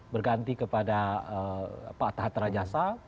berganti kepada pak atta hatta rajasa